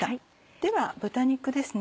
では豚肉ですね。